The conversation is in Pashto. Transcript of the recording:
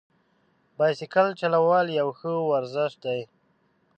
د بایسکل چلول یو ښه ورزش دی.